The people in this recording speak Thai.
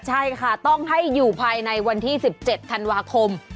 ใช่ค่ะต้องให้อยู่ภายในวันที่๑๗ธันวาคม